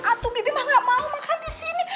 atuh bibi mah gak mau makan di sini